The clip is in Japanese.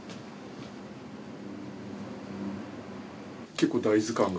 結構大豆感が。